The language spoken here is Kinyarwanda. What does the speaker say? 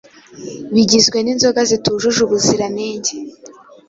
bigizwe n’inzoga zitujuje ubuziranenge